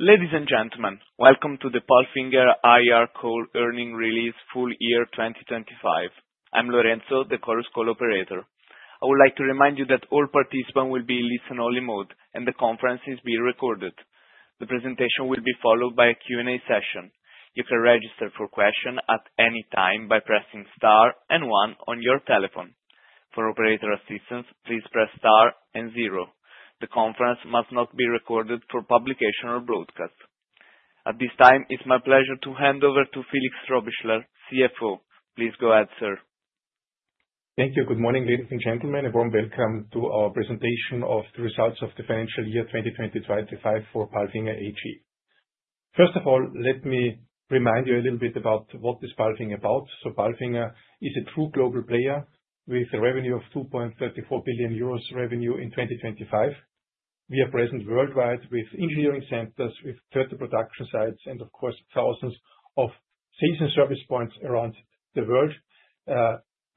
Ladies and gentlemen, welcome to the PALFINGER IR Call Earnings Release Full Year 2025. I'm Lorenzo, the Chorus Call operator. I would like to remind you that all participants will be in listen-only mode, and the conference is being recorded. The presentation will be followed by a Q&A session. You can register for question at any time by pressing star and one on your telephone. For operator assistance, please press star and zero. The conference must not be recorded for publication or broadcast. At this time, it's my pleasure to hand over to Felix Strohbichler, CFO. Please go ahead, sir. Thank you. Good morning, ladies and gentlemen. A warm welcome to our presentation of the Results of the Financial Year 2025 for PALFINGER AG. First of all, let me remind you a little bit about what is PALFINGER about. PALFINGER is a true global player with a revenue of 2.34 billion euros revenue in 2025. We are present worldwide with engineering centers, with total production sites, and of course, thousands of sales and service points around the world,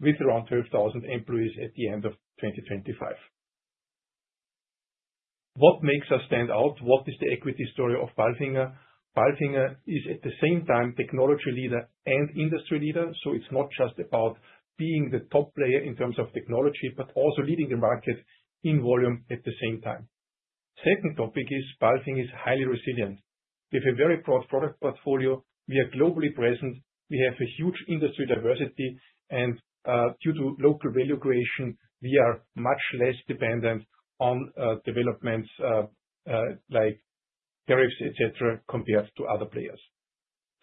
with around 12,000 employees at the end of 2025. What makes us stand out? What is the equity story of PALFINGER? PALFINGER is at the same time technology leader and industry leader, so it's not just about being the top player in terms of technology, but also leading the market in volume at the same time. Second topic is PALFINGER is highly resilient. With a very broad product portfolio, we are globally present, we have a huge industry diversity and, due to local value creation, we are much less dependent on developments, like tariffs, et cetera, compared to other players.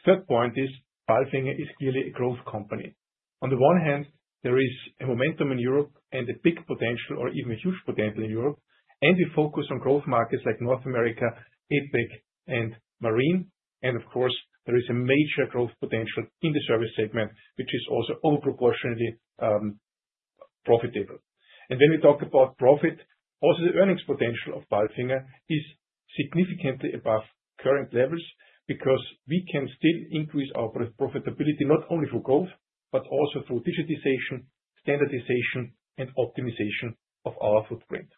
Third point is PALFINGER is clearly a growth company. On the one hand, there is a momentum in Europe and a big potential or even huge potential in Europe, and we focus on growth markets like North America, APAC and Marine. Of course, there is a major growth potential in the service segment, which is also over-proportionately profitable. When we talk about profit, also the earnings potential of PALFINGER is significantly above current levels because we can still increase our profitability not only for growth, but also through digitization, standardization, and optimization of our footprint.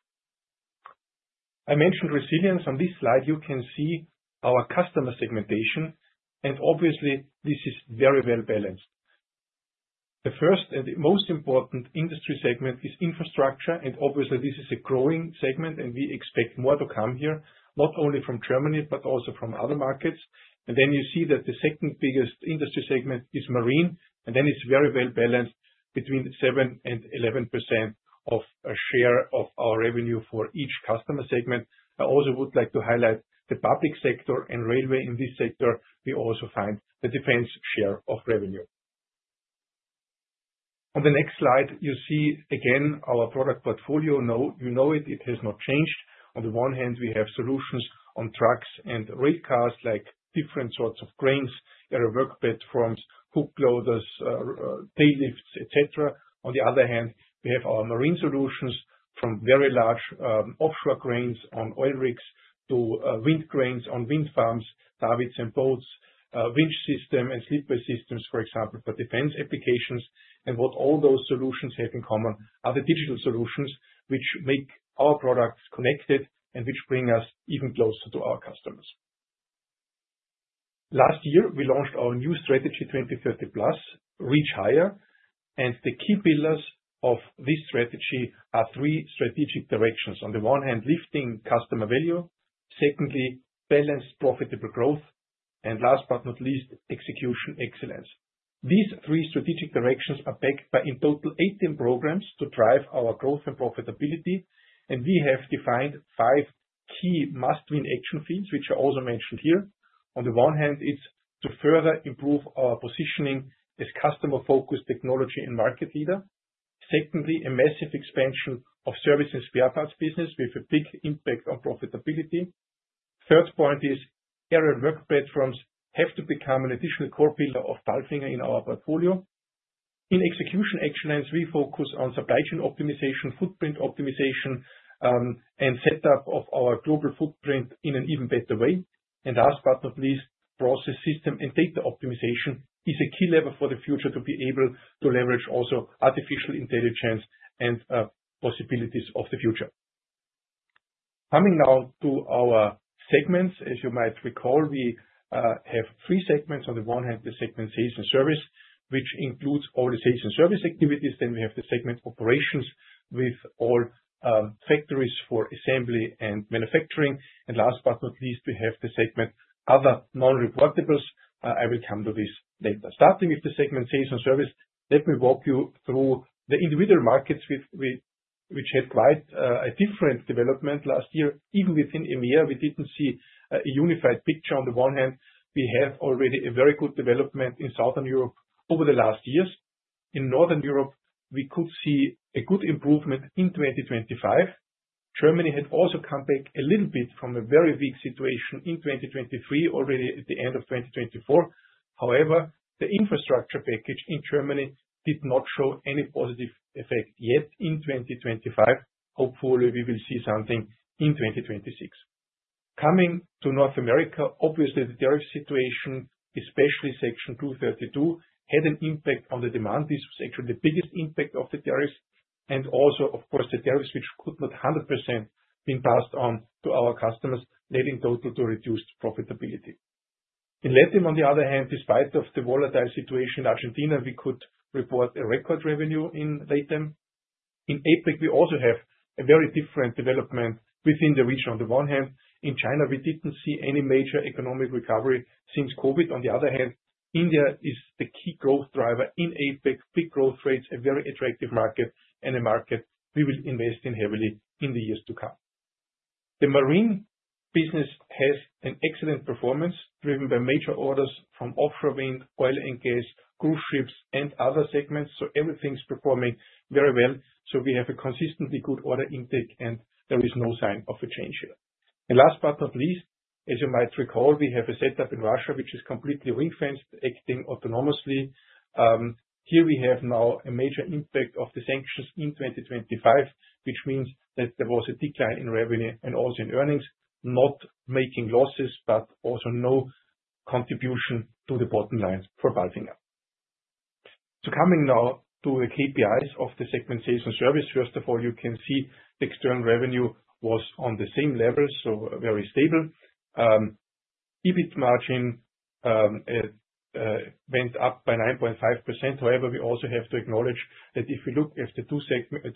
I mentioned resilience. On this slide, you can see our customer segmentation. Obviously, this is very well-balanced. The first and the most important industry segment is infrastructure. Obviously, this is a growing segment. We expect more to come here, not only from Germany but also from other markets. You see that the second biggest industry segment is Marine, and then it's very well-balanced between 7% and 11% of a share of our revenue for each customer segment. I also would like to highlight the public sector and railway in this sector. We also find the defense share of revenue. On the next slide, you see again our product portfolio. Now, you know it has not changed. On the one hand, we have solutions on trucks and rail cars, like different sorts of cranes, Aerial Work Platforms, Hookloaders, Tail Lifts, et cetera. On the other hand, we have our marine solutions from very large offshore cranes on oil rigs to wind cranes on wind farms, Davits and boats, winch system and slewing systems, for example, for defense applications. What all those solutions have in common are the digital solutions which make our products connected and which bring us even closer to our customers. Last year, we launched our new Strategy 2030+, Reach Higher. The key pillars of this strategy are three strategic directions. On the one hand, lifting customer value. Secondly, balanced, profitable growth. Last but not least, execution excellence. These three strategic directions are backed by, in total, 18 programs to drive our growth and profitability. We have defined five key must-win action fields, which are also mentioned here. On the one hand, it's to further improve our positioning as customer-focused technology and market leader. Secondly, a massive expansion of service and spare parts business with a big impact on profitability. Third point is Aerial Work Platforms have to become an additional core pillar of PALFINGER in our portfolio. In execution excellence, we focus on supply chain optimization, footprint optimization, and set up of our global footprint in an even better way. Last but not least, process system and data optimization is a key lever for the future to be able to leverage also artificial intelligence and possibilities of the future. Coming now to our segments. As you might recall, we have three segments. On the one hand, the segment sales and service, which includes all the sales and service activities. We have the segment operations with all factories for assembly and manufacturing. Last but not least, we have the segment other non-reportables. I will come to this later. Starting with the segment sales and service, let me walk you through the individual markets which had quite a different development last year. Even within EMEA, we didn't see a unified picture. On the one hand, we have already a very good development in Southern Europe over the last years. In Northern Europe, we could see a good improvement in 2025. Germany had also come back a little bit from a very weak situation in 2023, already at the end of 2024. However, the infrastructure package in Germany did not show any positive effect yet in 2025. Hopefully, we will see something in 2026. Coming to North America, obviously the tariff situation, especially Section 232, had an impact on the demand. This was actually the biggest impact of the tariffs. Also, of course, the tariffs which could not 100% been passed on to our customers, net in total to reduced profitability. In LATAM, on the other hand, despite of the volatile situation in Argentina, we could report a record revenue in LATAM. In APAC, we also have a very different development within the region. On the one hand, in China, we didn't see any major economic recovery since COVID. On the other hand, India is the key growth driver in APAC. Big growth rates, a very attractive market and a market we will invest in heavily in the years to come. The Marine business has an excellent performance, driven by major orders from off-shoring, oil and gas, cruise ships, and other segments. Everything's performing very well. We have a consistently good order intake. There is no sign of a change here. Last but not least, as you might recall, we have a setup in Russia which is completely ring-fenced, acting autonomously. Here we have now a major impact of the sanctions in 2025, which means that there was a decline in revenue and also in earnings. Not making losses, but also no contribution to the bottom line for PALFINGER. Coming now to the KPIs of the segmentation service. First of all, you can see external revenue was on the same level, so very stable. EBIT margin went up by 9.5%. However, we also have to acknowledge that if you look at the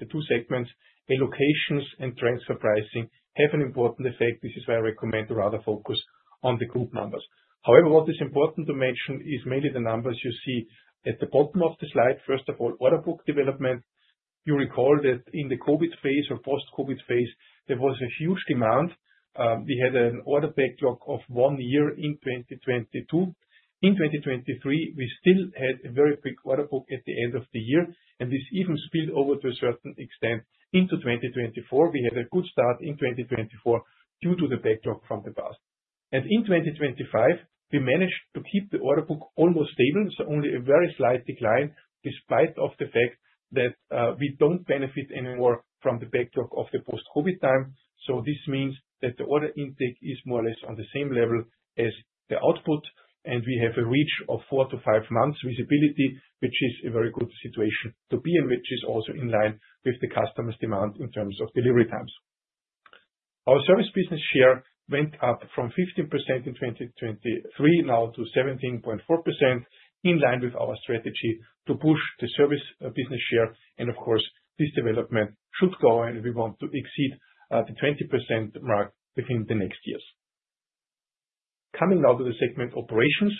two segments, allocations and transfer pricing have an important effect. This is why I recommend to rather focus on the group numbers. However, what is important to mention is mainly the numbers you see at the bottom of the slide. First of all, order book development. You'll recall that in the COVID phase or post-COVID phase, there was a huge demand. We had an order backlog of one year in 2022. In 2023, we still had a very big order book at the end of the year, and this even spilled over to a certain extent into 2024. We had a good start in 2024 due to the backlog from the past. In 2025, we managed to keep the order book almost stable, so only a very slight decline, despite of the fact that we don't benefit anymore from the backlog of the post-COVID time. This means that the order intake is more or less on the same level as the output, and we have a reach of four to five months visibility, which is a very good situation to be in, which is also in line with the customers' demand in terms of delivery times. Our service business share went up from 15% in 2023 now to 17.4%, in line with our strategy to push the service business share. Of course, this development should go, and we want to exceed the 20% mark within the next years. Coming now to the segment operations.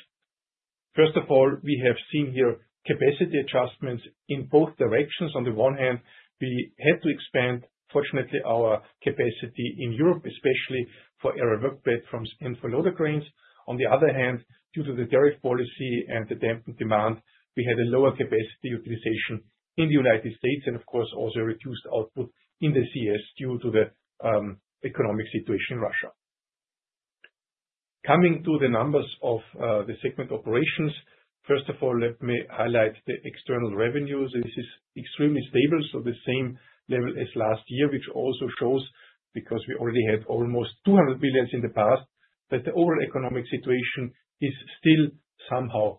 First of all, we have seen here capacity adjustments in both directions. On the one hand, we had to expand, fortunately, our capacity in Europe, especially for Aerial Work Platforms and for loader cranes. On the other hand, due to the tariff policy and the dampened demand, we had a lower capacity utilization in the United States and of course, also reduced output in the CIS due to the economic situation in Russia. Coming to the numbers of the segment operations. First of all, let me highlight the external revenues. This is extremely stable, so the same level as last year, which also shows, because we already had almost 200 billion in the past, that the overall economic situation is still somehow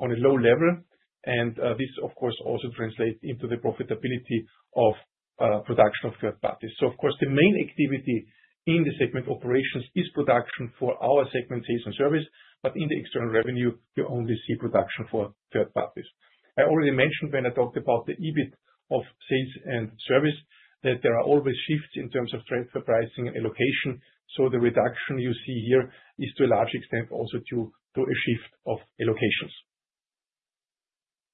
on a low level. This of course, also translates into the profitability of production of third parties. Of course, the main activity in the segment operations is production for our segment sales and service, but in the external revenue, you only see production for third parties. I already mentioned when I talked about the EBIT of sales and service, that there are always shifts in terms of transfer pricing and allocation. The reduction you see here is to a large extent also due to a shift of allocations.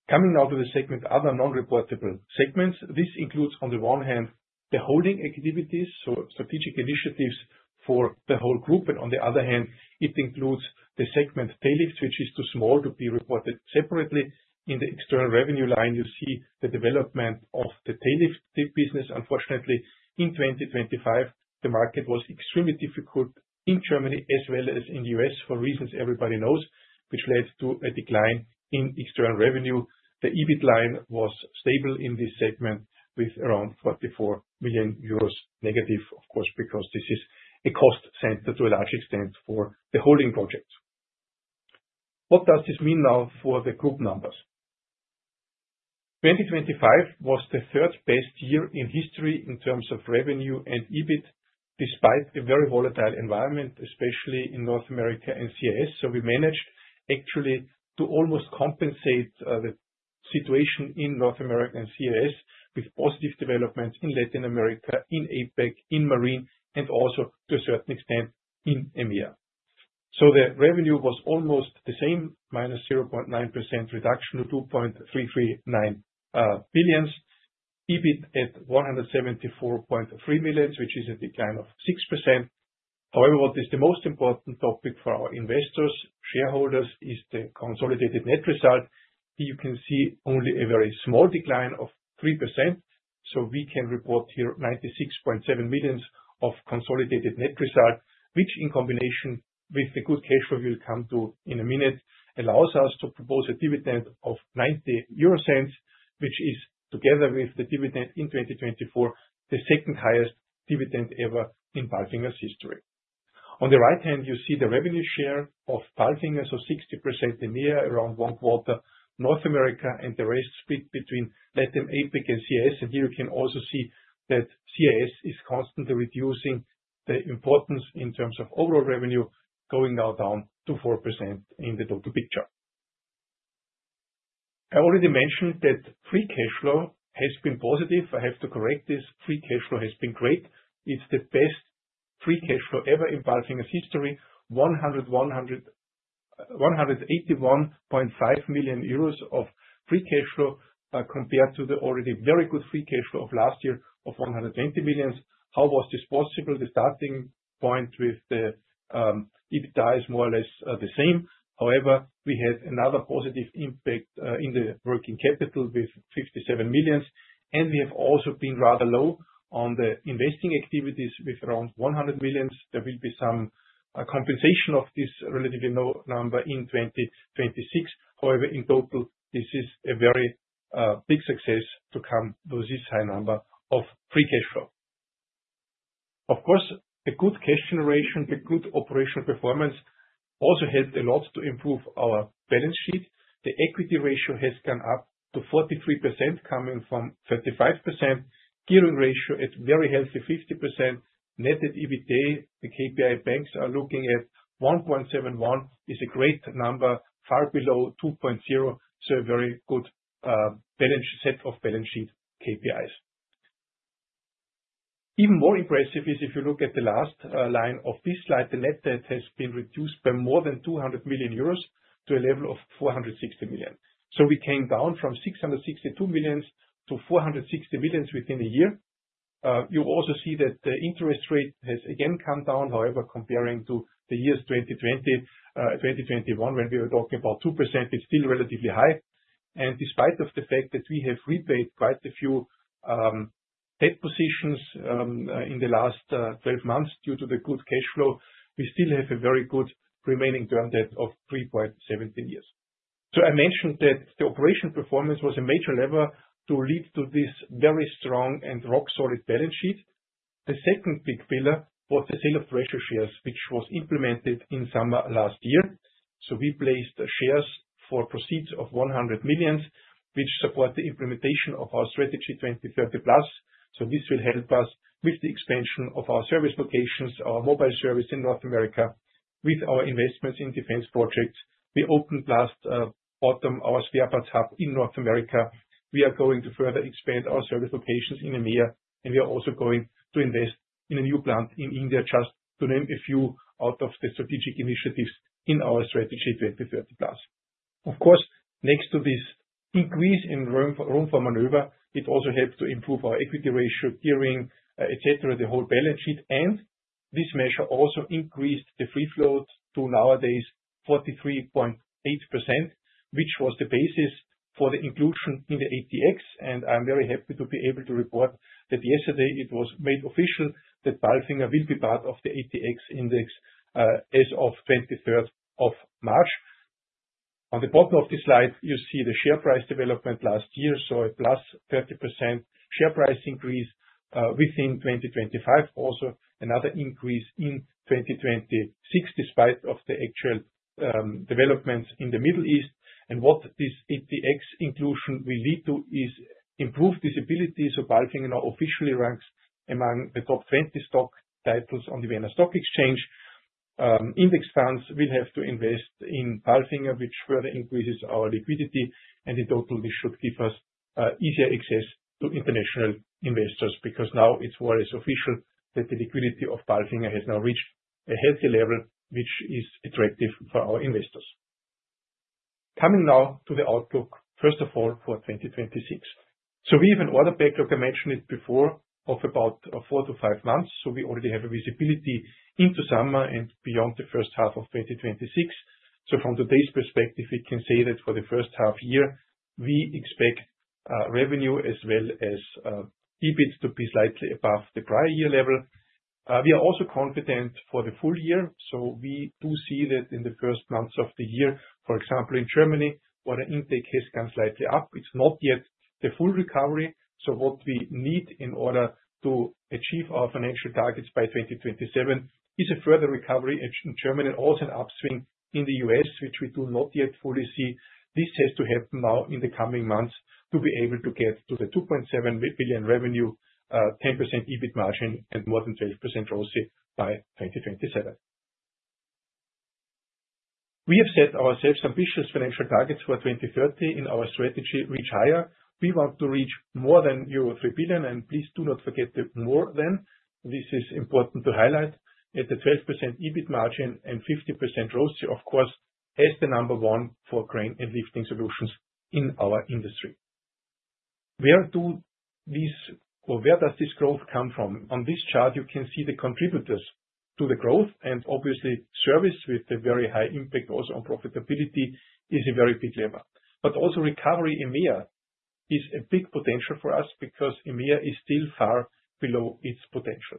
Coming now to the segment, other non-reportable segments. This includes, on the one hand, the holding activities, so strategic initiatives for the whole group. On the other hand, it includes the segment Tail Lifts, which is too small to be reported separately. In the external revenue line, you see the development of the Tail Lifts business. Unfortunately, in 2025, the market was extremely difficult in Germany as well as in U.S., for reasons everybody knows, which led to a decline in external revenue. The EBIT line was stable in this segment with around 44 million euros negative, of course, because this is a cost center to a large extent for the holding projects. What does this mean now for the group numbers? 2025 was the third best year in history in terms of revenue and EBIT, despite the very volatile environment, especially in North America and CIS. We managed actually to almost compensate the situation in North America and CIS with positive developments in Latin America, in APAC, in Marine, and also to a certain extent in EMEA. The revenue was almost the same, -0.9% reduction of 2.339 billion. EBIT at 174.3 billion, which is a decline of 6%. What is the most important topic for our investors, shareholders, is the consolidated net result. Here you can see only a very small decline of 3%. We can report here 96.7 million of consolidated net result, which in combination with the good cash flow we'll come to in a minute, allows us to propose a dividend of 0.90, which is together with the dividend in 2024, the second highest dividend ever in PALFINGER's history. On the right hand, you see the revenue share of PALFINGER. 60% in EMEA around 1/4 North America and the rest split between LATAM, APAC, and CIS. Here we can also see that CIS is constantly reducing the importance in terms of overall revenue, going now down to 4% in the total picture. I already mentioned that free cash flow has been positive. I have to correct this. Free cash flow has been great. It's the best free cash flow ever in PALFINGER's history. 181.5 million euros of free cash flow, compared to the already very good free cash flow of last year of 120 million. How was this possible? The starting point with the EBITDA is more or less the same. However, we had another positive impact in the working capital with 57 million. We have also been rather low on the investing activities with around 100 million. There will be some compensation of this relatively low number in 2026. However, in total, this is a very big success to come to this high number of free cash flow. Of course, a good cash generation with good operational performance also helped a lot to improve our balance sheet. The equity ratio has gone up to 43% coming from 35%. Gearing ratio is very healthy, 50%. Net debt/EBITDA, the KPI banks are looking at 1.71 is a great number, far below 2.0. A very good, balance, set of balance sheet KPIs. Even more impressive is if you look at the last, line of this slide, the net debt has been reduced by more than 200 million euros to a level of 460 million. We came down from 662 million-460 million within a year. You also see that the interest rate has again come down. However, comparing to the years 2020, 2021, when we were talking about 2%, it's still relatively high. Despite of the fact that we have repaid quite a few debt positions in the last 12 months due to the good cash flow, we still have a very good remaining term debt of 3.17 years. I mentioned that the operational performance was a major lever to lead to this very strong and rock-solid balance sheet. The second big pillar was the sale of treasury shares, which was implemented in summer last year. We placed shares for proceeds of 100 million, which support the implementation of our Strategy 2030+. This will help us with the expansion of our service locations, our mobile service in North America, with our investments in defense projects. We opened last autumn, our spare parts hub in North America. We are going to further expand our service locations in EMEA, we are also going to invest in a new plant in India, just to name a few out of the strategic initiatives in our Strategy 2030+. Of course, next to this increase in room for maneuver, it also helped to improve our equity ratio gearing, et cetera, the whole balance sheet. This measure also increased the free float to nowadays 43.8%, which was the basis for the inclusion in the ATX. I'm very happy to be able to report that yesterday it was made official that PALFINGER will be part of the ATX index as of 23rd of March. On the bottom of the slide, you see the share price development last year. A +30% share price increase within 2025. Also another increase in 2026, despite of the actual developments in the Middle East. What this ATX inclusion will lead to is improved visibility. PALFINGER now officially ranks among the top 20 stock titles on the Vienna Stock Exchange. Index funds will have to invest in PALFINGER, which further increases our liquidity. In total, this should give us easier access to international investors, because now it's more or less official that the liquidity of PALFINGER has now reached a healthy level, which is attractive for our investors. Coming now to the outlook, first of all, for 2026. We have an order book, I mentioned it before, of about four to five months, so we already have a visibility into summer and beyond the first half of 2026. From today's perspective, we can say that for the first half year, we expect revenue as well as EBIT to be slightly above the prior year level. We are also confident for the full year. We do see that in the first months of the year, for example, in Germany, order intake has gone slightly up. It's not yet the full recovery. What we need in order to achieve our financial targets by 2027 is a further recovery in Germany and also an upswing in the U.S., which we do not yet fully see. This has to happen now in the coming months to be able to get to the 2.7 billion revenue, 10% EBIT margin and more than 12% ROCE by 2027. We have set ourselves ambitious financial targets for 2030 in our strategy Reach Higher. We want to reach more than euro 3 billion. Please do not forget the more than. This is important to highlight. At the 12% EBIT margin and 50% ROCE, of course, as the number one for crane and lifting solutions in our industry. Where does this growth come from? On this chart, you can see the contributors to the growth. Obviously, service with a very high impact also on profitability is a very big lever. Also, recovery EMEA is a big potential for us because EMEA is still far below its potential.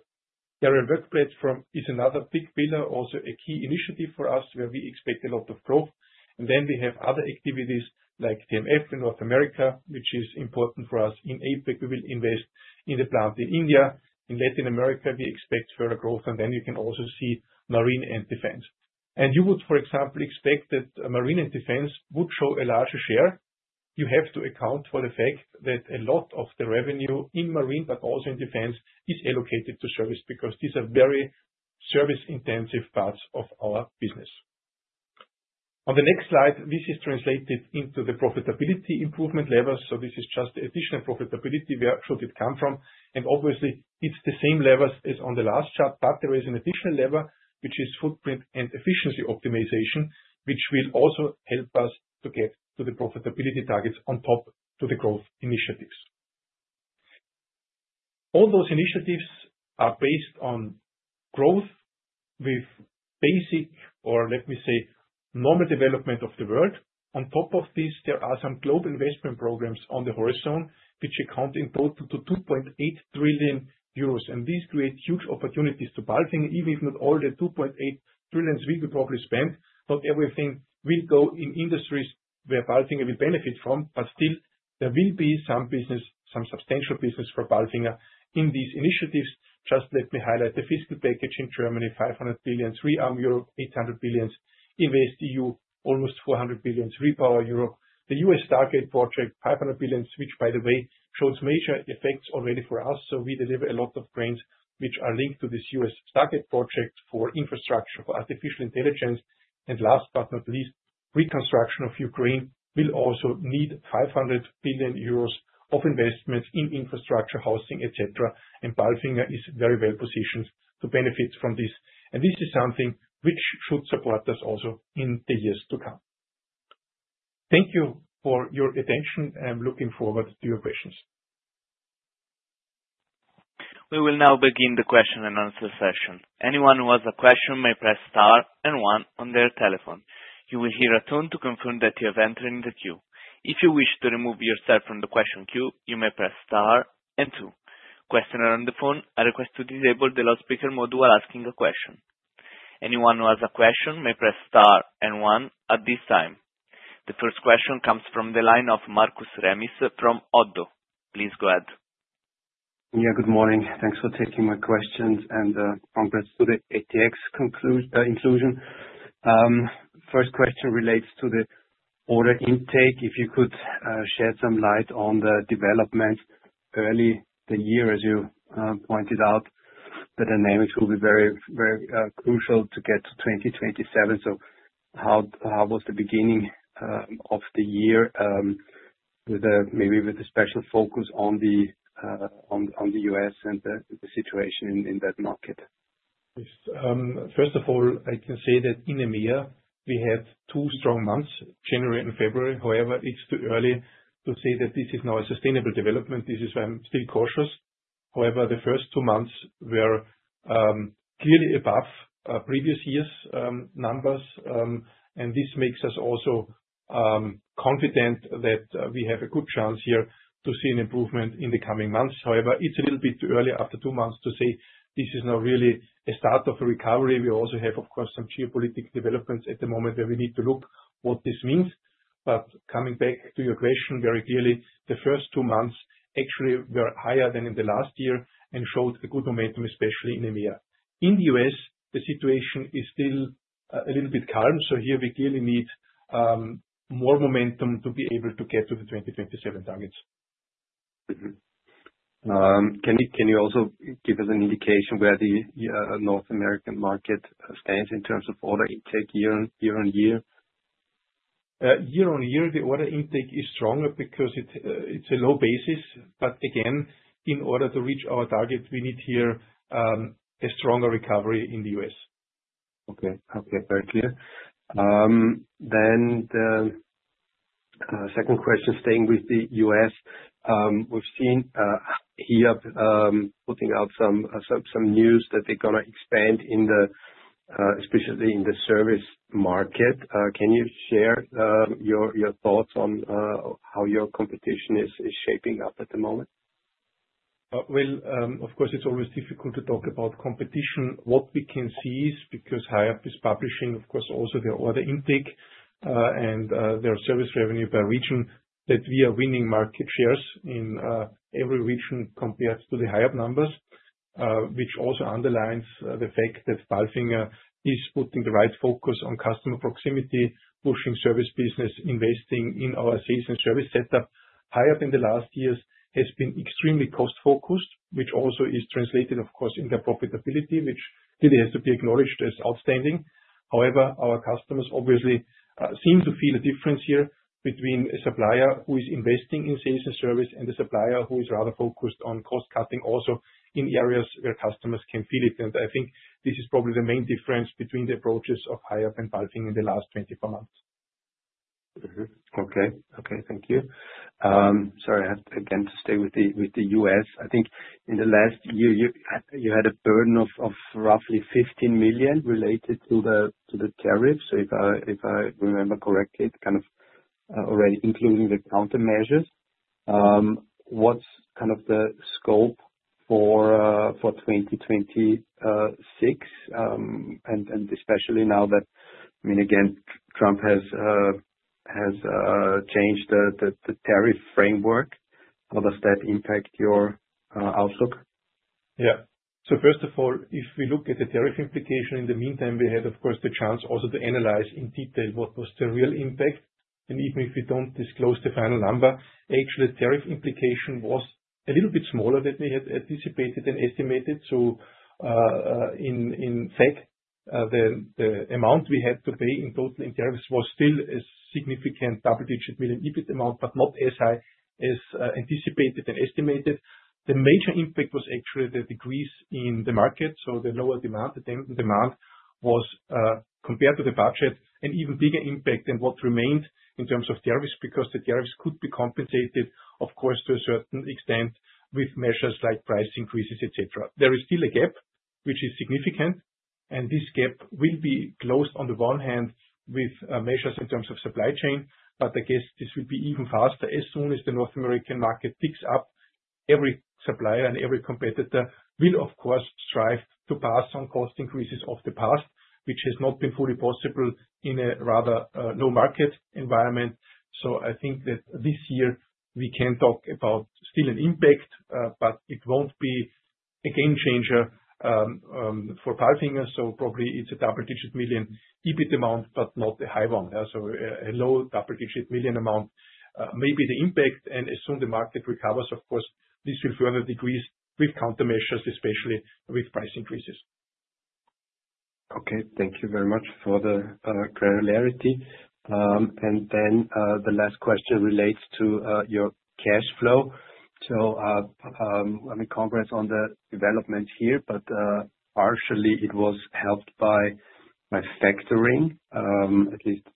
Aerial Work Platforms is another big pillar, also a key initiative for us, where we expect a lot of growth. We have other activities like TMF in North America, which is important for us. In APAC, we will invest in the plant in India. In Latin America, we expect further growth. You can also see marine and defense. You would, for example, expect that marine and defense would show a larger share. You have to account for the fact that a lot of the revenue in marine, but also in defense, is allocated to service because these are very service-intensive parts of our business. On the next slide, this is translated into the profitability improvement levels. This is just the additional profitability, where should it come from? Obviously it's the same levels as on the last chart. There is an additional level, which is footprint and efficiency optimization, which will also help us to get to the profitability targets on top to the growth initiatives. All those initiatives are based on growth with basic, or let me say, normal development of the world. On top of this, there are some global investment programs on the horizon which account in total to 2.8 trillion euros. These create huge opportunities to PALFINGER, even if not all the 2.8 trillion will be probably spent. Not everything will go in industries where PALFINGER will benefit from, but still there will be some business, some substantial business for PALFINGER in these initiatives. Just let me highlight the fiscal package in Germany, 500 billion, NextGenerationEU, 800 billion, InvestEU, almost 400 billion, REPowerEU. The U.S. Stargate Project, 500 billion, which, by the way, shows major effects already for us. We deliver a lot of cranes which are linked to this U.S. Stargate Project for infrastructure, for artificial intelligence. Last but not least, reconstruction of Ukraine will also need 500 billion euros of investments in infrastructure, housing, et cetera. PALFINGER is very well positioned to benefit from this. This is something which should support us also in the years to come. Thank you for your attention. I am looking forward to your questions. We will now begin the question and answer session. Anyone who has a question may press star and one on their telephone. You will hear a tone to confirm that you have entered in the queue. If you wish to remove yourself from the question queue, you may press star and two. Questioner on the phone, a request to disable the loudspeaker mode while asking a question. Anyone who has a question may press star and 1 at this time. The first question comes from the line of Markus Remis from ODDO. Please go ahead. Yeah. Good morning. Thanks for taking my questions. Congrats to the ATX inclusion. First question relates to the order intake. If you could shed some light on the development early the year, as you pointed out, the dynamics will be very, very crucial to get to 2027. How was the beginning of the year, maybe with a special focus on the U.S. and the situation in that market? Yes. First of all, I can say that in EMEA we had two strong months, January and February. However, it's too early to say that this is now a sustainable development. This is why I'm still cautious. However, the first two months were clearly above previous years' numbers. This makes us also confident that we have a good chance here to see an improvement in the coming months. However, it's a little bit too early after two months to say this is now really a start of a recovery. We also have, of course, some geopolitical developments at the moment where we need to look what this means. Coming back to your question, very clearly the first two months actually were higher than in the last year and showed a good momentum, especially in EMEA. In the U.S., the situation is still a little bit calm, so here we clearly need more momentum to be able to get to the 2027 targets. Can you also give us an indication where the North American market stands in terms of order intake year on year? Year on year, the order intake is stronger because it's a low basis. Again, in order to reach our targets, we need here a stronger recovery in the U.S. Okay. Okay. Very clear. The second question, staying with the U.S. We've seen HIAB putting out some news that they're gonna expand in the especially in the service market. Can you share your thoughts on how your competition is shaping up at the moment? Well, of course it's always difficult to talk about competition. What we can see is, because HIAB is publishing, of course, also their order intake, and their service revenue by region, that we are winning market shares in every region compared to the HIAB numbers. Which also underlines the fact that PALFINGER is putting the right focus on customer proximity, pushing service business, investing in our sales and service setup. HIAB in the last years has been extremely cost focused, which also is translated, of course, in their profitability, which really has to be acknowledged as outstanding. Our customers obviously seem to feel a difference here between a supplier who is investing in sales and service and a supplier who is rather focused on cost cutting also in areas where customers can feel it. I think this is probably the main difference between the approaches of HIAB and PALFINGER in the last 24 months. Okay. Okay. Thank you. Sorry, I have again to stay with the U.S. I think in the last year you had a burden of roughly 15 million related to the tariffs, if I remember correctly, kind of, already including the countermeasures. What's kind of the scope for 2026, and especially now that, I mean, again, Trump has changed the tariff framework? How does that impact your outlook? Yeah. First of all, if we look at the tariff implication, in the meantime, we had, of course, the chance also to analyze in detail what was the real impact. Even if we don't disclose the final number, actually, tariff implication was a little bit smaller than we had anticipated and estimated. In fact, the amount we had to pay in total in tariffs was still a significant EUR double-digit million EBIT amount, but not as high as anticipated and estimated. The major impact was actually the decrease in the market, so the lower demand. The demand was, compared to the budget, an even bigger impact than what remained in terms of tariffs, because the tariffs could be compensated, of course, to a certain extent with measures like price increases, et cetera. There is still a gap, which is significant. This gap will be closed on the one hand with measures in terms of supply chain. I guess this will be even faster as soon as the North American market picks up. Every supplier and every competitor will of course strive to pass on cost increases of the past, which has not been fully possible in a rather low market environment. I think that this year we can talk about still an impact, but it won't be a game changer for PALFINGER. Probably it's a double-digit million EBIT amount, but not a high one. A low double-digit million amount may be the impact. As soon the market recovers, of course, this will further decrease with countermeasures, especially with price increases. Okay, thank you very much for the clarity. The last question relates to your cash flow. I mean, congrats on the development here, but partially it was helped by factoring, at least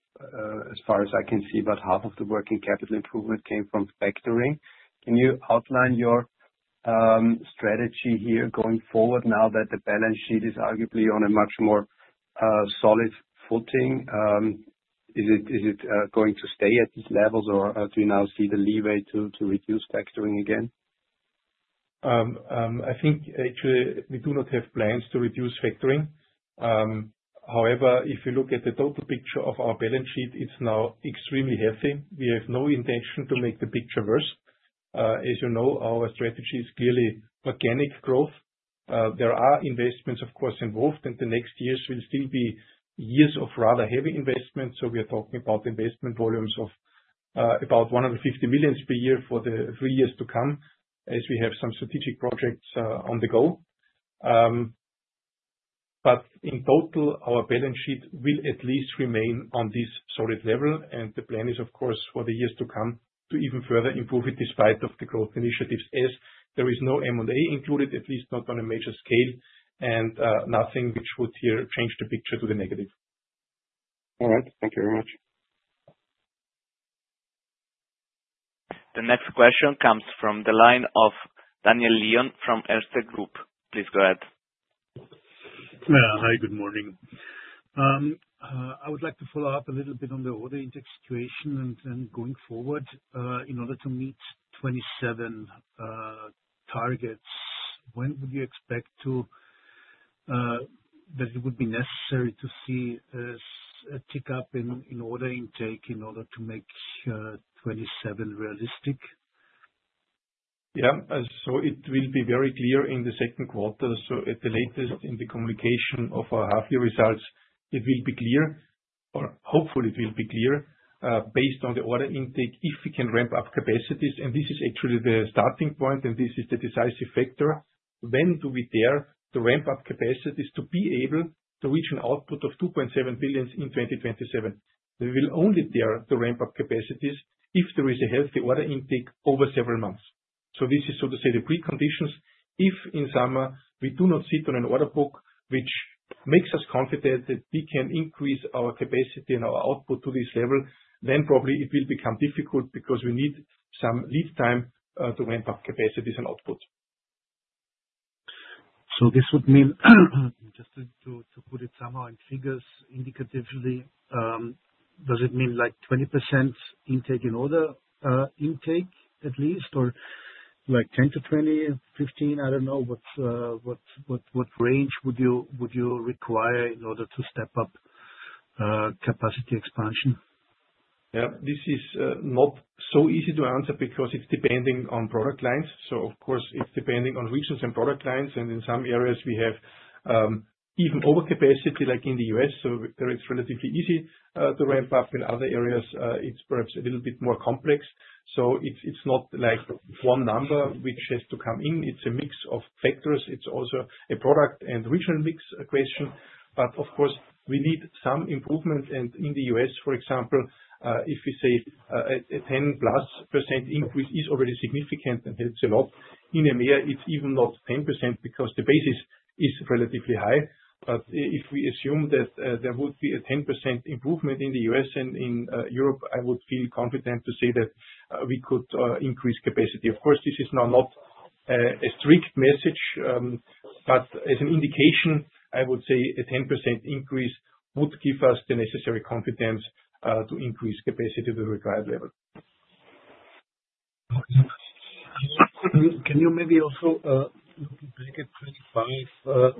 as far as I can see, about half of the working capital improvement came from factoring. Can you outline your strategy here going forward now that the balance sheet is arguably on a much more solid footing? Is it going to stay at these levels or do you now see the leeway to reduce factoring again? I think actually we do not have plans to reduce factoring. If you look at the total picture of our balance sheet, it's now extremely healthy. We have no intention to make the picture worse. As you know, our strategy is clearly organic growth. There are investments, of course, involved, and the next years will still be years of rather heavy investment, so we are talking about investment volumes of about 150 million per year for the three years to come, as we have some strategic projects on the go. In total, our balance sheet will at least remain on this solid level. The plan is, of course, for the years to come, to even further improve it despite of the growth initiatives, as there is no M&A included, at least not on a major scale, and nothing which would here change the picture to the negative. All right. Thank you very much. The next question comes from the line of Daniel Lion from Erste Group. Please go ahead. Yeah. Hi, good morning. I would like to follow up a little bit on the order intake situation and then going forward, in order to meet 2027 targets, when would you expect to that it would be necessary to see a tick-up in order intake in order to make 2027 realistic? It will be very clear in the second quarter. At the latest in the communication of our half-year results, it will be clear, or hopefully it will be clear, based on the order intake, if we can ramp up capacities. This is actually the starting point, and this is the decisive factor. When do we dare to ramp up capacities to be able to reach an output of 2.7 billion in 2027? We will only dare to ramp up capacities if there is a healthy order intake over several months. This is, so to say, the preconditions. If in summer we do not sit on an order book, which makes us confident that we can increase our capacity and our output to this level, then probably it will become difficult because we need some lead time, to ramp up capacities and output. This would mean, just to put it somehow in figures indicatively, does it mean like 20% intake in order, intake at least, or like 10%-20%, 15%? I don't know, what range would you require in order to step up capacity expansion? Yeah. This is not so easy to answer because it's depending on product lines. Of course it's depending on regions and product lines, and in some areas we have even over capacity like in the U.S., so there it's relatively easy to ramp up. In other areas, it's perhaps a little bit more complex. It's not like one number which has to come in. It's a mix of factors. It's also a product and regional mix equation. Of course we need some improvement. In the U.S., for example, if we say a 10%+ increase is already significant and helps a lot. In EMEA it's even not 10% because the basis is relatively high. If we assume that there would be a 10% improvement in the U.S. and in Europe, I would feel confident to say that we could increase capacity. Of course, this is now not a strict message, but as an indication, I would say a 10% increase would give us the necessary confidence to increase capacity to the required level. Okay. Can you maybe also, looking back at 25,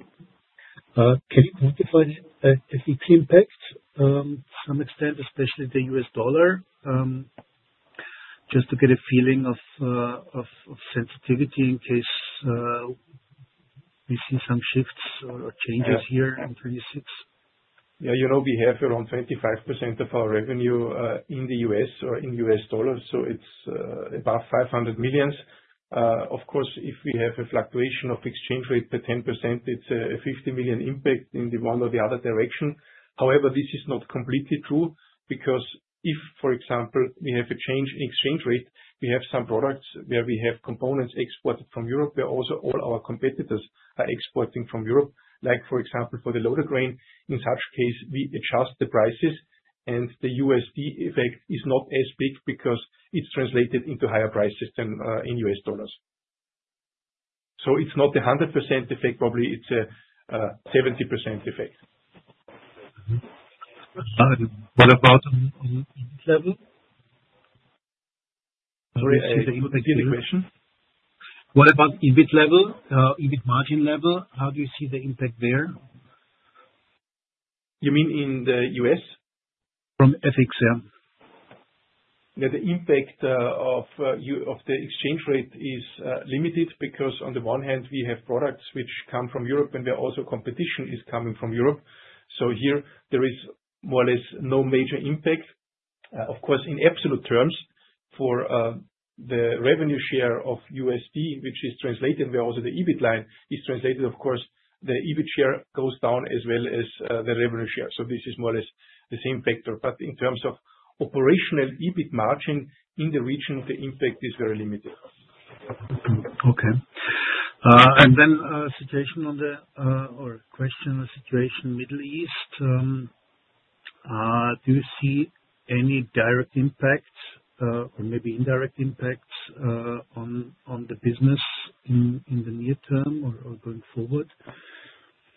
can you quantify the key impacts, to some extent, especially the U.S. dollar? Just to get a feeling of, of sensitivity in case, we see some shifts or changes here in three to six. Yeah, you know, we have around 25% of our revenue in the U.S. or in U.S. dollars, so it's above $500 million. Of course, if we have a fluctuation of exchange rate to 10% it's a $50 million impact in the one or the other direction. This is not completely true, because if, for example, we have a change in exchange rate, we have some products where we have components exported from Europe, where also all our competitors are exporting from Europe. Like for example, for the Loader Crane, in such case, we adjust the prices and the U.S.D effect is not as big because it's translated into higher prices than in U.S. dollars. It's not a 100% effect, probably it's a 70% effect. Mm-hmm. What about in this level? Sorry, I didn't see the impact there. What about EBIT level, EBIT margin level? How do you see the impact there? You mean in the U.S.? From FX, yeah. Yeah. The impact of the exchange rate is limited because on the one hand we have products which come from Europe and where also competition is coming from Europe. Here there is more or less no major impact. Of course, in absolute terms for the revenue share of U.S.D, which is translated where also the EBIT line is translated, of course, the EBIT share goes down as well as the revenue share. This is more or less the same factor. In terms of operational EBIT margin in the region, the impact is very limited. Okay. Situation on the, or question on the situation Middle East. Do you see any direct impacts, or maybe indirect impacts, on the business in the near term or going forward?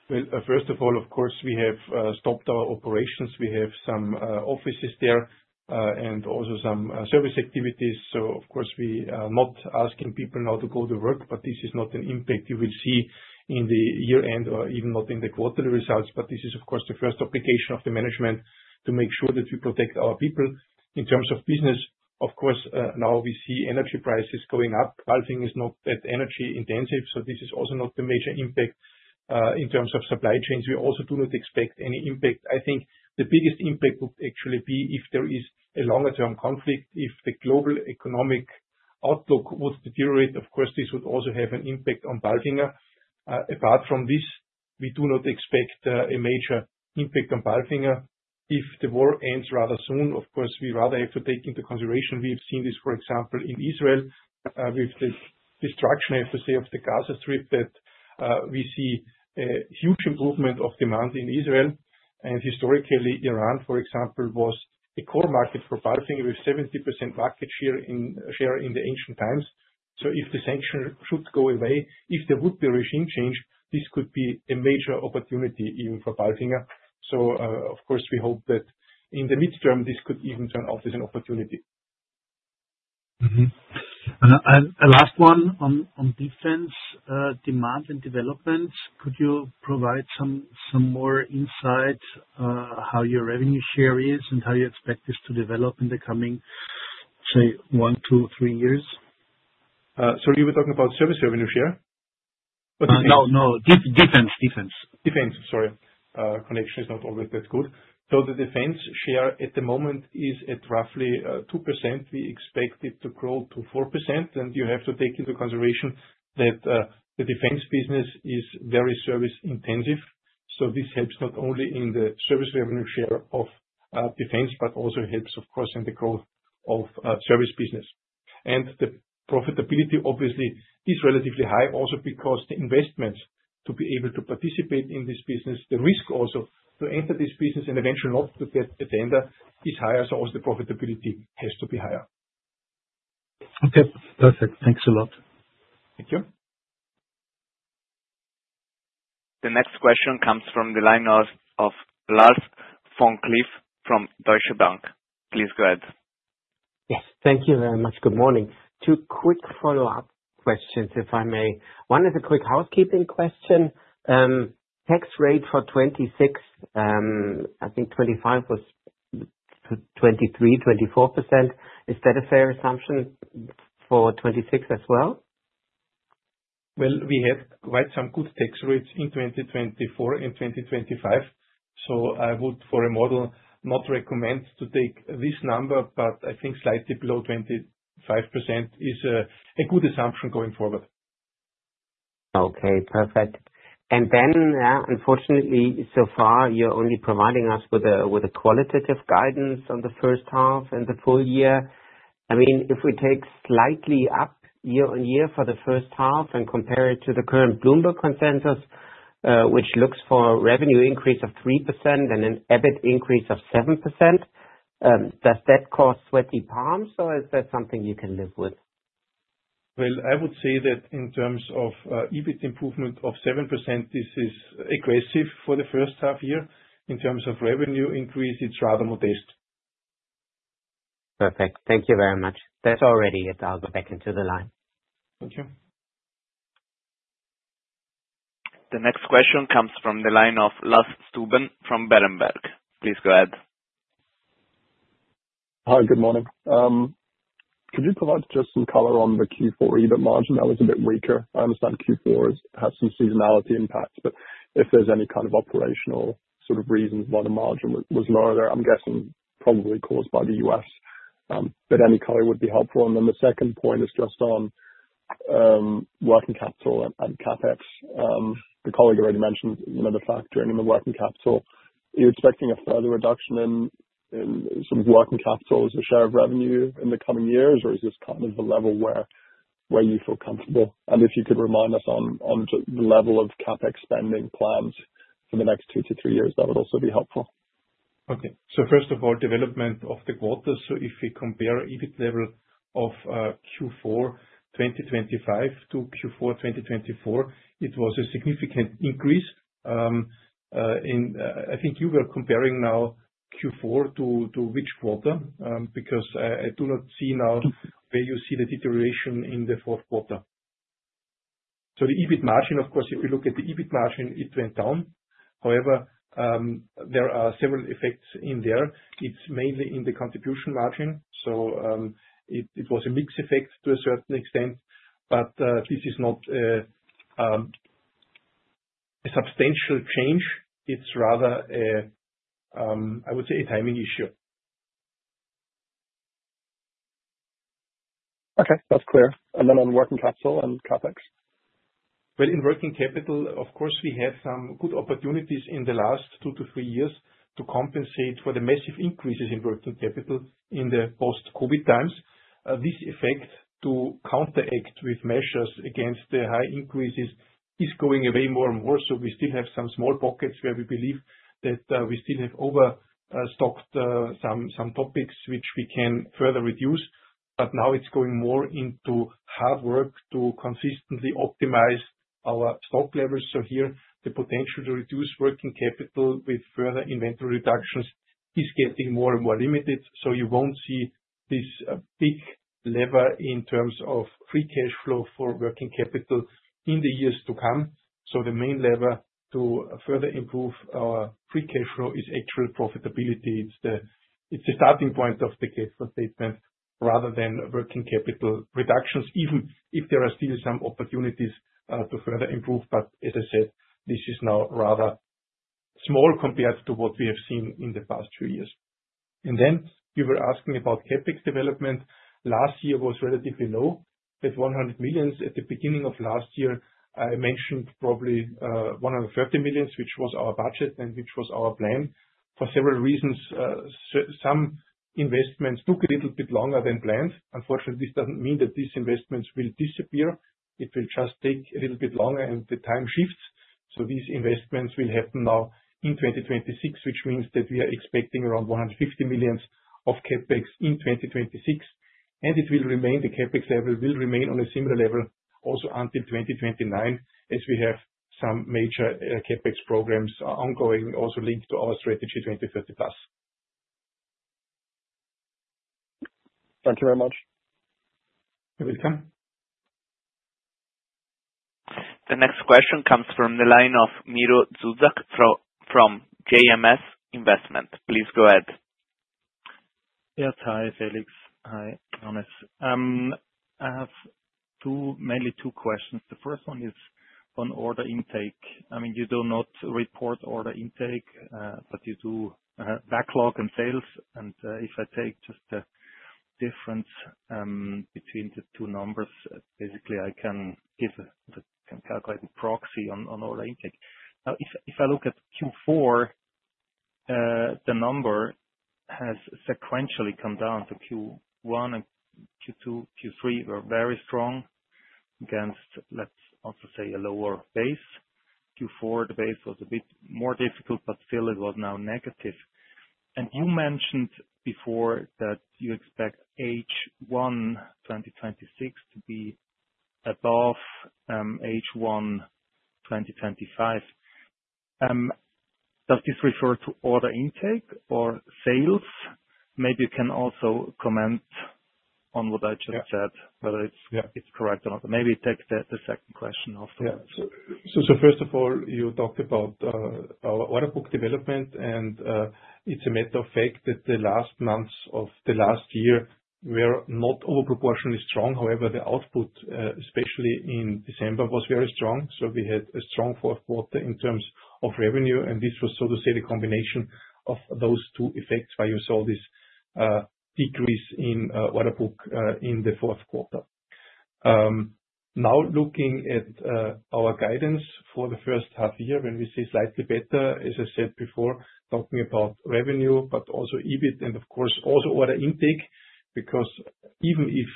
Well, first of all, of course, we have stopped our operations. We have some offices there and also some service activities. Of course, we are not asking people now to go to work, but this is not an impact you will see in the year-end or even not in the quarterly results. This is of course the first obligation of the management to make sure that we protect our people. In terms of business, of course, now we see energy prices going up. PALFINGER is not that energy intensive, so this is also not a major impact. In terms of supply chains, we also do not expect any impact. I think the biggest impact would actually be if there is a longer term conflict. If the global economic outlook would deteriorate, of course, this would also have an impact on PALFINGER. Apart from this, we do not expect a major impact on PALFINGER. If the war ends rather soon, of course, we rather have to take into consideration we have seen this, for example, in Israel, with the destruction, I have to say, of the Gaza Strip that, we see a huge improvement of demand in Israel. Historically, Iran, for example, was a core market for PALFINGER with 70% market share in the ancient times. If the sanction should go away, if there would be a regime change, this could be a major opportunity even for PALFINGER. Of course, we hope that in the midterm, this could even turn out as an opportunity. Mm-hmm. A last one on defense, demand and development. Could you provide some more insight, how your revenue share is and how you expect this to develop in the coming, say, one, two, three years? Sorry, we were talking about service revenue share? No, no. Defense. Defense. Defense. Sorry. Connection is not always that good. The defense share at the moment is at roughly, 2%. We expect it to grow to 4%. You have to take into consideration that, the defense business is very service intensive, so this helps not only in the service revenue share of, defense, but also helps of course in the growth of, service business. The profitability obviously is relatively high also because the investments to be able to participate in this business, the risk also to enter this business and eventually not to get a tender is higher, so also the profitability has to be higher. Okay, perfect. Thanks a lot. Thank you. The next question comes from the line of Lars Vom-Cleff from Deutsche Bank. Please go ahead. Yes. Thank you very much. Good morning. Two quick follow-up questions, if I may. One is a quick housekeeping question. tax rate for 2026. I think 2025 was 23%, 24%. Is that a fair assumption for 2026 as well? Well, we have quite some good tax rates in 2024 and 2025, so I would, for a model, not recommend to take this number, but I think slightly below 25% is a good assumption going forward. Okay, perfect. Unfortunately so far you're only providing us with a qualitative guidance on the first half and the full year. I mean, if we take slightly up year-over-year for the first half and compare it to the current Bloomberg consensus, which looks for revenue increase of 3% and an EBIT increase of 7%, does that cause sweaty palms or is that something you can live with? Well, I would say that in terms of EBIT improvement of 7%, this is aggressive for the first half year. In terms of revenue increase, it's rather modest. Perfect. Thank you very much. That's all ready. I'll go back into the line. Thank you. The next question comes from the line of Lasse Stüben from Berenberg. Please go ahead. Hi, good morning. Could you provide just some color on the Q4 EBIT margin that was a bit weaker? I understand Q4 has had some seasonality impacts, but if there's any kind of operational sort of reasons why the margin was lower there, I'm guessing probably caused by the U.S. Any color would be helpful. The second point is just on working capital and CapEx. The colleague already mentioned, you know, the factor in the working capital. Are you expecting a further reduction in sort of working capital as a share of revenue in the coming years? Is this kind of the level where you feel comfortable? If you could remind us on the level of CapEx spending plans for the next two to year years, that would also be helpful. Okay. First of all, development of the quarter. If we compare EBIT level of Q4 2025 to Q4 2024, it was a significant increase. I think you were comparing now Q4 to which quarter? Because I do not see now where you see the deterioration in the fourth quarter. The EBIT margin, of course, if you look at the EBIT margin, it went down. However, there are several effects in there. It's mainly in the contribution margin. It was a mixed effect to a certain extent, but this is not a substantial change. It's rather a, I would say, a timing issue. Okay, that's clear. On working capital and CapEx. Well, in working capital, of course, we have some good opportunities in the last two to three years to compensate for the massive increases in working capital in the post-COVID times. This effect to counteract with measures against the high increases is going away more and more. We still have some small pockets where we believe that we still have overstocked some topics which we can further reduce. Now it's going more into hard work to consistently optimize our stock levels. Here the potential to reduce working capital with further inventory reductions is getting more and more limited. You won't see this big lever in terms of free cash flow for working capital in the years to come. The main lever to further improve our free cash flow is actual profitability. It's the starting point of the cash flow statement rather than working capital reductions, even if there are still some opportunities to further improve. As I said, this is now rather small compared to what we have seen in the past two years. Then you were asking about CapEx development. Last year was relatively low, with 100 million. At the beginning of last year, I mentioned probably 130 million, which was our budget and which was our plan. For several reasons, some investments took a little bit longer than planned. Unfortunately, this doesn't mean that these investments will disappear. It will just take a little bit longer, and the time shifts. These investments will happen now in 2026, which means that we are expecting around 150 million of CapEx in 2026. It will remain the CapEx level, will remain on a similar level also until 2029, as we have some major CapEx programs are ongoing, also linked to our Strategy 2030+. Thank you very much. You're welcome. The next question comes from the line of Miro Zuzak from JMS Investment. Please go ahead. Yeah. Hi, Felix. Hi, [Andres]. I have mainly two questions. The first one is on order intake. I mean, you do not report order intake, but you do backlog and sales. If I take just the difference between the two numbers, basically I can calculate a proxy on order intake. If I look at Q4, the number has sequentially come down to Q1 and Q2. Q3 were very strong against, let's also say, a lower base. Q4, the base was a bit more difficult, but still it was now negative. You mentioned before that you expect H1 2026 to be above H1 2025. Does this refer to order intake or sales? Maybe you can also comment on what I just said. Yeah. Whether it's- Yeah. -it's correct or not. Maybe take the second question also. Yeah. First of all, you talked about our order book development. It's a matter of fact that the last months of the last year were not over proportionally strong. However, the output, especially in December, was very strong. We had a strong fourth quarter in terms of revenue. This was, so to say, the combination of those two effects, why you saw this decrease in order book in the fourth quarter. Looking at our guidance for the first half year, when we say slightly better, as I said before, talking about revenue, but also EBIT and of course also order intake. Even if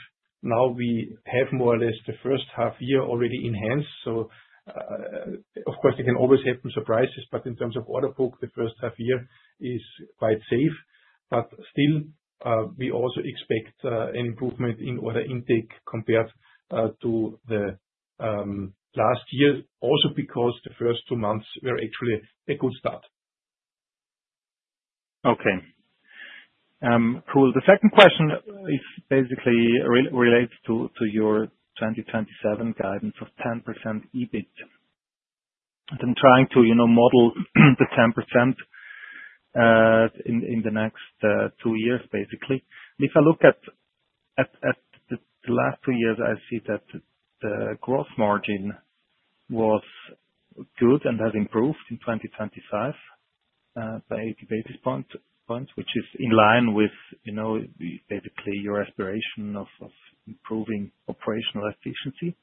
now we have more or less the first half year already enhanced, of course it can always have some surprises, but in terms of order book, the first half year is quite safe. Still, we also expect an improvement in order intake compared to the last year also because the first two months were actually a good start. Okay. Cool. The second question basically relates to your 2027 guidance of 10% EBIT. I'm trying to, you know, model the 10% in the next two years, basically. If I look at the last two years, I see that the growth margin was good and has improved in 2025 by 80 basis points, which is in line with, you know, basically your aspiration of improving operational efficiency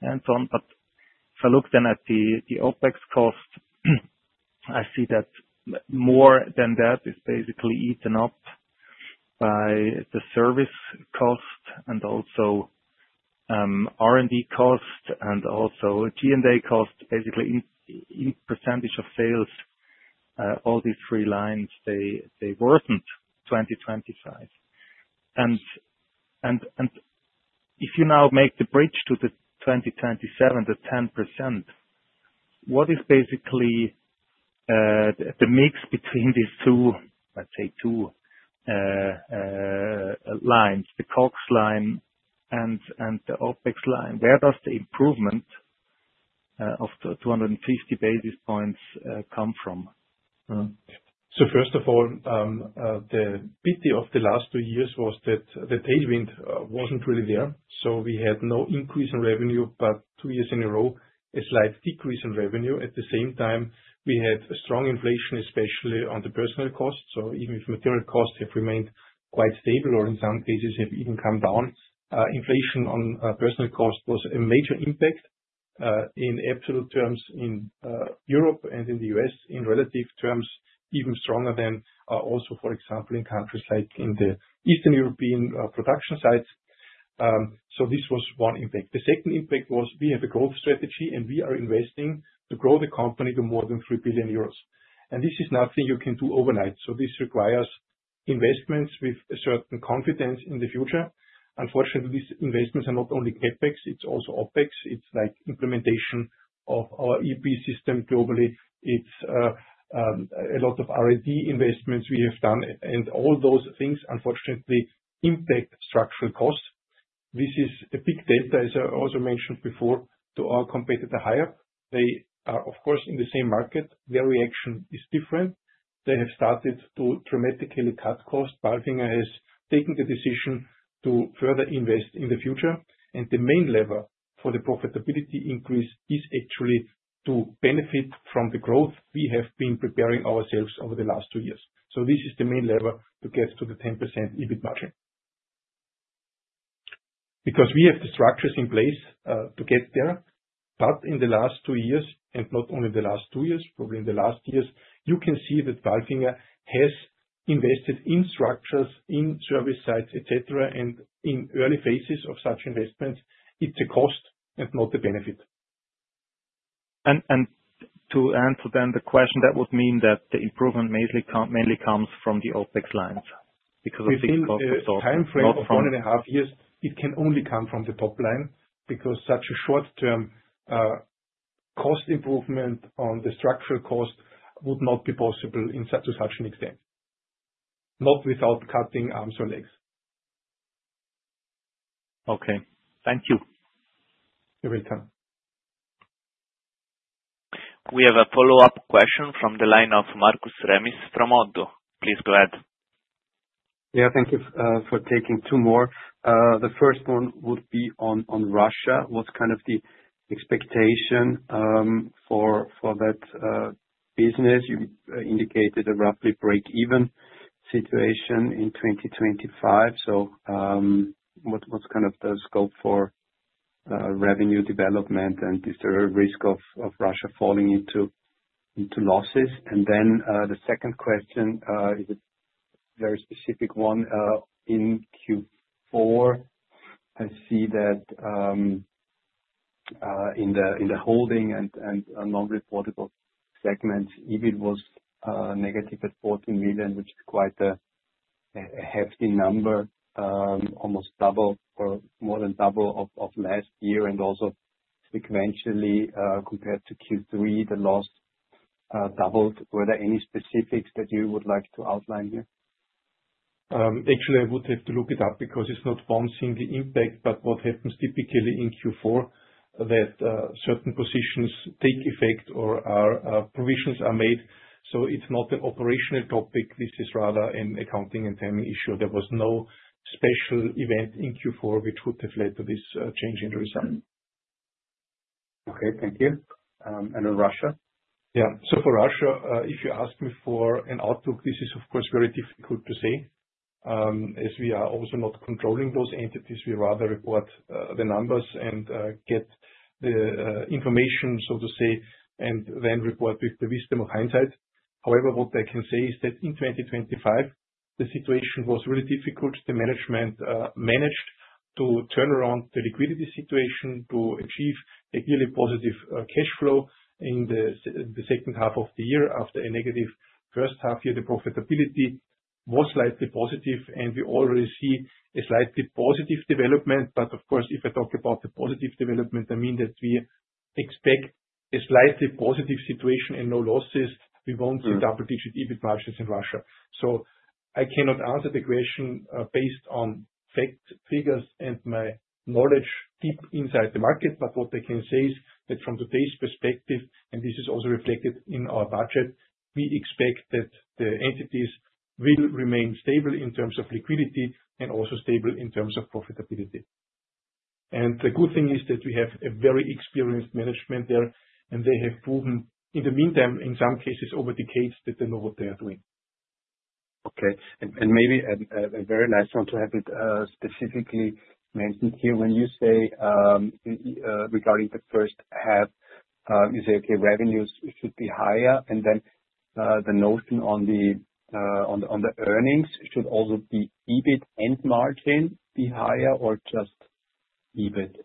and so on. If I look then at the OpEx cost, I see that more than that is basically eaten up by the service cost and also R&D cost and also G&A cost, basically in percentage of sales, all these three lines, they worsened 2025. If you now make the bridge to the 2027, the 10%, what is basically the mix between these two, let's say two, lines, the COGS line and the OpEx line? Where does the improvement of the 250 basis points come from? First of all, the pity of the last two years was that the tailwind wasn't really there. We had no increase in revenue, but two years in a row, a slight decrease in revenue. At the same time, we had a strong inflation, especially on the personal cost. Even if material costs have remained quite stable or in some cases have even come down, inflation on personal cost was a major impact in absolute terms in Europe and in the U.S. in relative terms, even stronger than also, for example, in countries like in the Eastern European production sites. This was one impact. The second impact was we have a growth strategy, and we are investing to grow the company to more than 3 billion euros. This is nothing you can do overnight. This requires investments with a certain confidence in the future. Unfortunately, these investments are not only CapEx, it's also OpEx. It's like implementation of our ERP system globally. It's a lot of R&D investments we have done and all those things, unfortunately, impact structural costs. This is a big data, as I also mentioned before, to our competitor HIAB. They are, of course, in the same market. Their reaction is different. They have started to dramatically cut costs. PALFINGER has taken the decision to further invest in the future, and the main lever for the profitability increase is actually to benefit from the growth we have been preparing ourselves over the last two years. This is the main lever to get to the 10% EBIT margin. We have the structures in place, to get there, but in the last two years, and not only in the last two years, probably in the last years, you can see that PALFINGER has invested in structures, in service sites, et cetera, and in early phases of such investments, it's a cost and not a benefit. To answer then the question, that would mean that the improvement mainly comes from the OpEx lines. Within the timeframe of 1.5 years, it can only come from the top line because such a short term, cost improvement on the structural cost would not be possible in such an extent, not without cutting arms or legs. Okay. Thank you. Every time. We have a follow-up question from the line of Markus Remis from ODDO. Please go ahead. Yeah, thank you, for taking two more. The first one would be on Russia. What's kind of the expectation for that business? You indicated a roughly break-even situation in 2025. What's kind of the scope for revenue development, and is there a risk of Russia falling into losses? The second question is a very specific one. In Q4, I see that in the holding and non-reportable segments, EBIT was negative at 14 million, which is quite a hefty number, almost double or more than double of last year, and also sequentially, compared to Q3, the loss doubled. Were there any specifics that you would like to outline here? Actually, I would have to look it up because it's not one single impact. What happens typically in Q4 that certain positions take effect or are provisions are made. It's not an operational topic. This is rather an accounting and timing issue. There was no special event in Q4 which would have led to this change in the result. Okay, thank you. Then Russia. For Russia, if you ask me for an outlook, this is of course, very difficult to say, as we are also not controlling those entities. We rather report the numbers and get the information, so to say, and then report with the wisdom of hindsight. However, what I can say is that in 2025, the situation was really difficult. The management managed to turn around the liquidity situation to achieve a yearly positive cash flow in the second half of the year after a negative first half year. The profitability was slightly positive and we already see a slightly positive development. Of course, if I talk about the positive development, I mean that we expect a slightly positive situation and no losses. We won't see double-digit EBIT margins in Russia. I cannot answer the question, based on fact, figures and my knowledge deep inside the market. What I can say is that from today's perspective, and this is also reflected in our budget, we expect that the entities will remain stable in terms of liquidity and also stable in terms of profitability. The good thing is that we have a very experienced management there, and they have proven in the meantime, in some cases over decades, that they know what they are doing. Okay. Maybe a very nice one to have it specifically mentioned here. When you say regarding the first half, you say, okay, revenues should be higher and then the notion on the earnings should also be EBIT end margin be higher or just EBIT?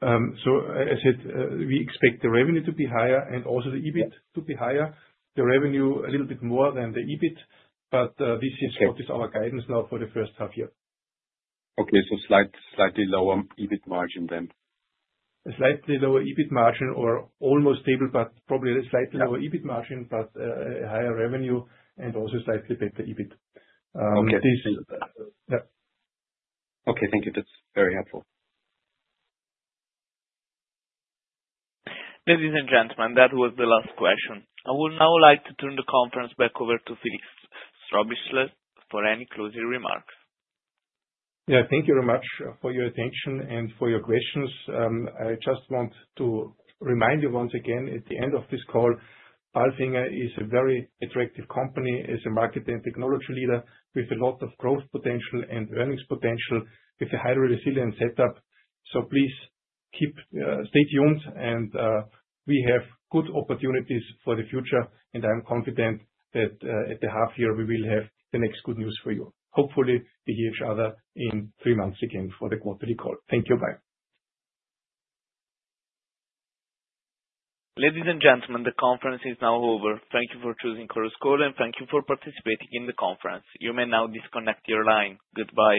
I said, we expect the revenue to be higher and also the EBIT to be higher. The revenue a little bit more than the EBIT, this is what is our guidance now for the first half year. Okay. Slightly lower EBIT margin then. A slightly lower EBIT margin or almost stable, but probably a slightly lower EBIT margin, but higher revenue and also slightly better EBIT. Okay. Yeah. Okay, thank you. That's very helpful. Ladies and gentlemen, that was the last question. I would now like to turn the conference back over to Felix Strohbichler for any closing remarks. Yeah. Thank you very much for your attention and for your questions. I just want to remind you once again at the end of this call, PALFINGER is a very attractive company, is a market and technology leader with a lot of growth potential and earnings potential with a highly resilient setup. Please keep stay tuned and we have good opportunities for the future and I'm confident that at the half year we will have the next good news for you. Hopefully, we hear each other in three months again for the quarterly call. Thank you. Bye. Ladies and gentlemen, the conference is now over. Thank you for choosing Chorus Call, and thank you for participating in the conference. You may now disconnect your line. Goodbye.